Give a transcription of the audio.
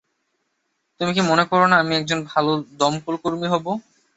তুমি কি মনে করো না আমি একজন ভালো দমকলকর্মী হব?